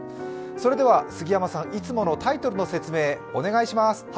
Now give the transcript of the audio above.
では杉山さん、いつものタイトルの説明、お願いします。